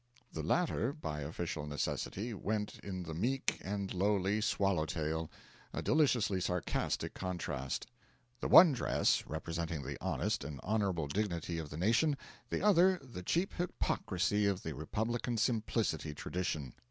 The latter, by official necessity, went in the meek and lowly swallow tail a deliciously sarcastic contrast: the one dress representing the honest and honourable dignity of the nation; the other, the cheap hypocrisy of the Republican Simplicity tradition.